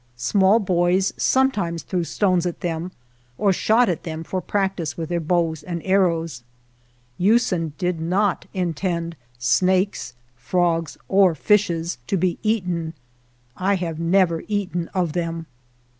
Small boys sometimes threw stones at them or shot at them for practice with their bows and arrows. Usen did not intend snakes, frogs, or fishes to be eaten. I have never eaten of them.